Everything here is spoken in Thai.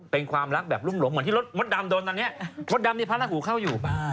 เป็นความรักแบบรุ่งหลงเหมือนที่รถมดดำโดนตอนเนี้ย